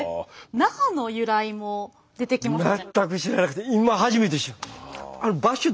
那覇の由来も出てきましたね。